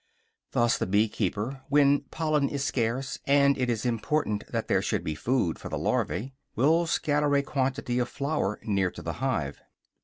Thus the bee keeper, when pollen is scarce and it is important that there should be food for the larvæ, will scatter a quantity of flour near to the hive.